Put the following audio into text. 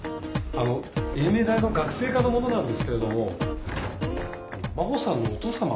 あの栄明大の学生課の者なんですけれども真帆さんのお父さまは？